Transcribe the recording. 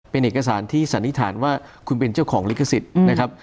เป็นเอกสารที่สันนิษฐานว่าคุณเป็นเจ้าของลิขสิทธิ์นะครับ